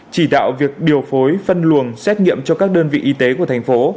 chỉ đạo việc điều phối phân luồng xét nghiệm cho các đơn vị y tế của thành phố